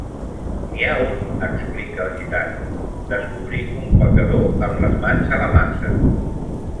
N'hi ha un, explica el gitano: descobrir un pecador amb les mans a la massa.